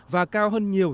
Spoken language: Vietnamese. và cao hơn nhiều